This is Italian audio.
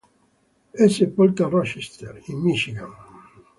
È sepolto a Rochester, in Michigan.